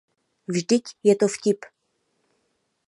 Vždyť je to vtip!